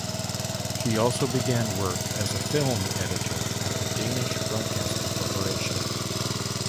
She also began work as a film editor at the Danish Broadcasting Corporation.